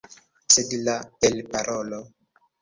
Sed la elparolo!